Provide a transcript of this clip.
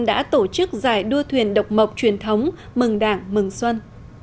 đã tổ chức giải đua thuyền độc mộc truyền thống mừng đảng mừng xuân